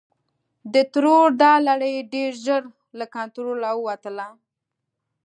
د ترور دا لړۍ ډېر ژر له کنټروله ووتله.